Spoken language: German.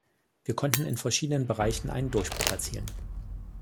Wir konnten in verschiedenen Bereichen einen Durchbruch erzielen.